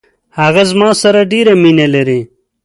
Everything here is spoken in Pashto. هغه زما سره ډیره مینه لري.